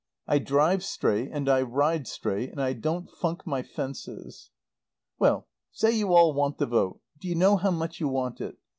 I drive straight. And I ride straight. And I don't funk my fences. "Well say you all want the vote. Do you know how much you want it?